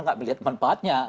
nggak melihat manfaatnya